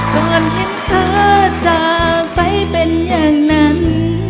ก่อนเห็นเธอจากไปเป็นอย่างนั้น